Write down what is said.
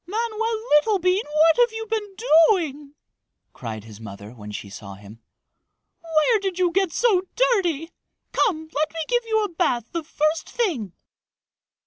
"Manoel Littlebean, what have you been doing?" cried his mother when she saw him. "Where did you get so dirty? Come, let me give you a bath the first thing!"